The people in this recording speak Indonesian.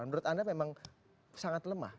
menurut anda memang sangat lemah